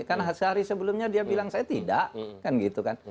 karena sehari sebelumnya dia bilang saya tidak kan gitu kan